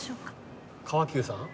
川久さん？